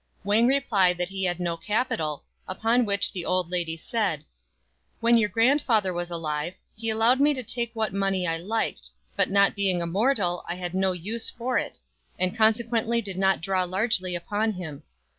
Wang replied that he had no capital; upon which the old lady said, "When your grandfather was alive, he allowed me to take what money I liked ; but not being a mortal, I had no use for it, and consequently did not draw largely upon him.